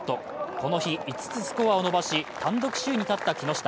この日５つスコアを伸ばし単独首位に立った木下。